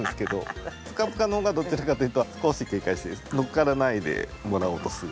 ぷかぷかの方がどちらかというと少し警戒してのっからないでもらおうとする。